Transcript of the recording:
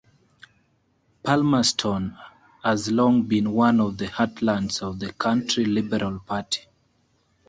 Palmerston has long been one of the heartlands of the Country Liberal Party.